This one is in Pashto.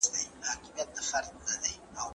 که میندې حجاب وکړي نو پرده به نه څیرې کیږي.